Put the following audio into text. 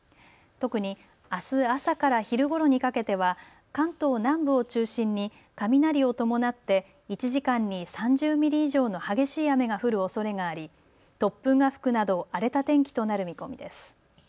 特にあす朝から昼ごろにかけては関東南部を中心に雷を伴って１時間に３０ミリ以上の激しい雨が降るおそれがあり、突風が吹くなど荒れた天気となる見込みです。